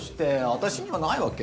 私にはないわけ？